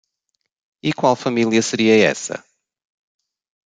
E qual família seria essa?